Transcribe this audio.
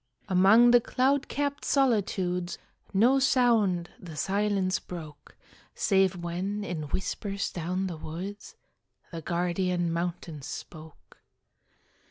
Among the cloud capt solitudes, No sound the silence broke, Save when, in whispers down the woods, The guardian mountains spoke.